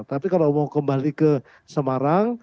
tapi kalau mau kembali ke semarang